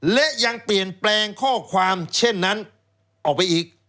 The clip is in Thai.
และยังเปลี่ยนแปลงข้อความเช่นนั้นออกไปอีก